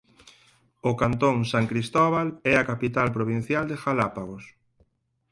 O Cantón San Cristóbal é a capital provincial de Galápagos.